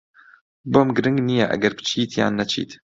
بۆم گرنگ نییە ئەگەر بچیت یان نەچیت.